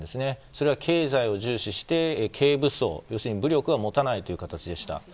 それは経済を重視して軽武装、武力は持たないという形でした。